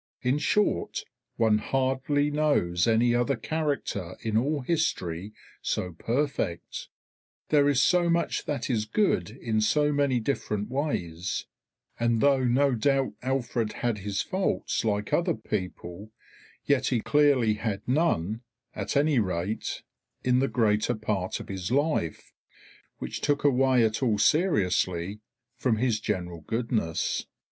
In short, one hardly knows any other character in all history so perfect; there is so much that is good in so many different ways; and though no doubt Alfred had his faults like other people, yet he clearly had none, at any rate in the greater part of his life, which took away at all seriously from his general goodness.